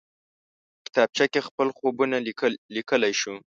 کتابچه کې خپل خوبونه لیکلی شو